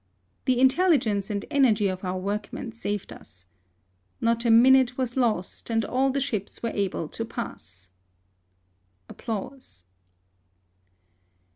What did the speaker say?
The intelligence and energy of our workmen saved us. Not a minute was lost, and all the ships were able to pass.